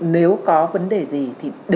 nếu có vấn đề gì thì bắt đầu